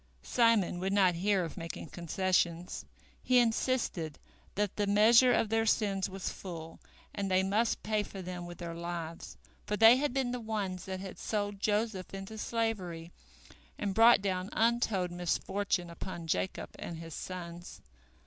Simon would not hear of making concessions. He insisted that the measure of their sins was full, and they must pay for them with their lives, for they had been the ones that had sold Joseph into slavery, and brought down untold misfortune upon Jacob and his sons.